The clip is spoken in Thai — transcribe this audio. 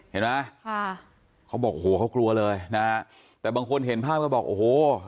เห็นไหมค่ะเขาบอกโอ้โหเขากลัวเลยนะฮะแต่บางคนเห็นภาพก็บอกโอ้โห